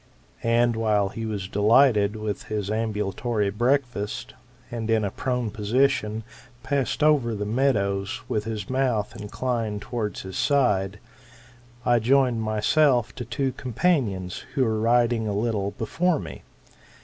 And while he was delighted with his ami^ulatory breakfast, and in a prone position passed over the meadows with his mouth inclined towards his side, I joined myself to two companions, who were riding a little before me.